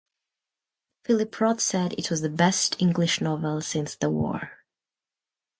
Philip Roth said it was "the best English novel since the war".